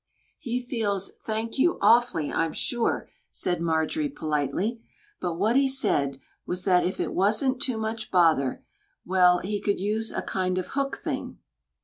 "He feels 'Thank you' awfully, I'm sure," said Marjorie, politely, "but what he said was that if wasn't too much bother well, he could use a kind of hook thing."